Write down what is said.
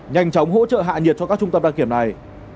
nhanh chóng hỗ trợ hạ nhiệt cho các trung tâm đăng kiểm này